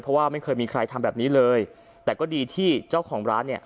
เพราะว่าไม่เคยมีใครทำแบบนี้เลยแต่ก็ดีที่เจ้าของร้านเนี่ย